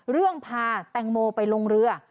เรื่องพาแตงโมไปลงเรือ